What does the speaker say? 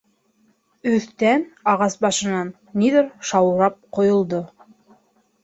Өҫтән, ағас башынан, ниҙер шаурап ҡойолдо.